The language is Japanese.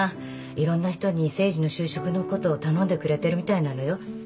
いろんな人に誠治の就職のこと頼んでくれてるみたいなのよ。